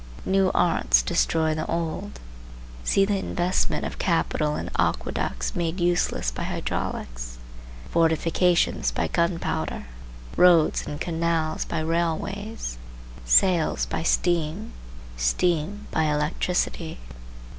New arts destroy the old. See the investment of capital in aqueducts made useless by hydraulics; fortifications, by gunpowder; roads and canals, by railways; sails, by steam; steam by electricity.